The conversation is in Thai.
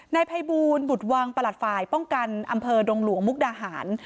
นายภัยบูลบุตรวังประหลัดฝ่ายป้องกันอำเภอดงหลวงมุกดาหาร